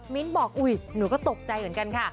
บอกอุ๊ยหนูก็ตกใจเหมือนกันค่ะ